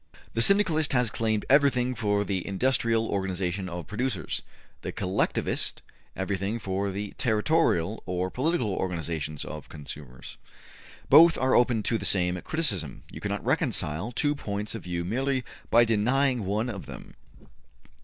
The Syndicalist has claimed everything for the industrial organizations of producers, the Collectivist everything for the territorial or political organizations of consumers. Both are open to the same criticism; you cannot reconcile two points of view merely by denying one of them.''